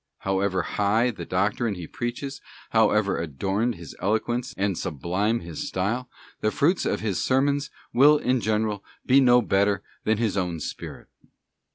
How ever high the doctrine he preaches, however adorned his eloquence and sublime his style, the fruits of his sermons will in general be no better than his own spirit.